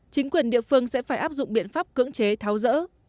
chính quyền địa phương sẽ phải áp dụng biện pháp cưỡng chế tháo rỡ